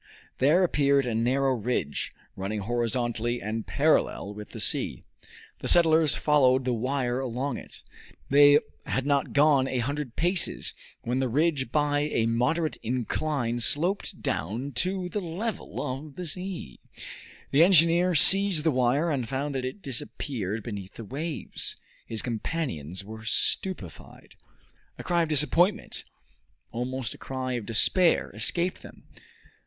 There appeared a narrow ridge, running horizontally and parallel with the sea. The settlers followed the wire along it. They had not gone a hundred paces when the ridge by a moderate incline sloped down to the level of the sea. The engineer seized the wire and found that it disappeared beneath the waves. His companions were stupefied. A cry of disappointment, almost a cry of despair, escaped them!